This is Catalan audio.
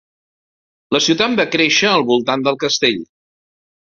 La ciutat va créixer al voltant del castell.